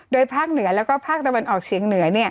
โดยภาคเหนือแล้วก็ภาคตะวันออกเฉียงเหนือ